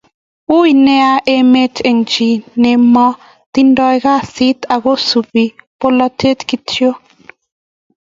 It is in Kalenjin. Uui nea emet eng chi nemo tindoi kasit ako supu polatet kityo